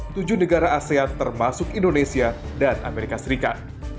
tujuh negara asean termasuk indonesia dan amerika serikat